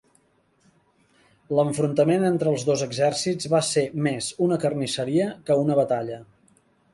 L'enfrontament entre els dos exèrcits va ser més una carnisseria que una batalla.